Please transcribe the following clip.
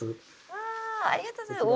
わあありがとうございます。